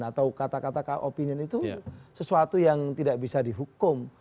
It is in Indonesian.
atau kata kata opinion itu sesuatu yang tidak bisa dihukum